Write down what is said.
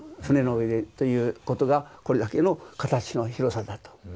船の上でということがこれだけの形の広さだと。